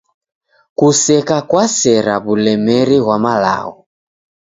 Kuseka kwasera w'ulemeri ghwamalagho.